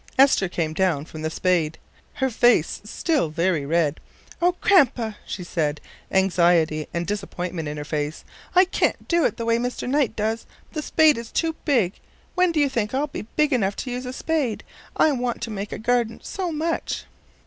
Esther came down from the spade, her face still very red. "O, Grandpa!" she said, anxiety and disappointment in her face, "I can't do it the way Mr. Knight does. The spade is too big. When do you think I'll be big enough to use a spade? I want to make a garden so much."